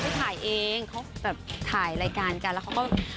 เขาถ่ายเองเขาแบบถ่ายรายการกันแล้วเขาก็